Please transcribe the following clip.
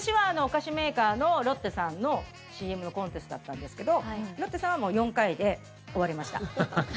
私はお菓子メーカーのロッテさんのＣＭのコンテストだったんですけどロッテさんはもう４回で終わりました。